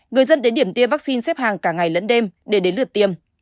người dân đến điểm tiêm vaccine xếp hàng cả ngày lẫn đêm để đến lượt tiêm